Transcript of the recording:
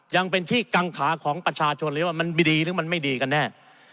ยังเป็นที่กังขาของประชาชนเลยว่ามันมีดีหรือมันไม่ดีกันแน่